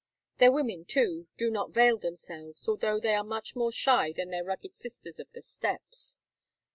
Their women, too, do not veil themselves, although they are much more shy than their rugged sisters of the steppes.